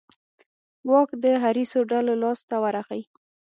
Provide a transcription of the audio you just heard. واک د حریصو ډلو لاس ته ورغی.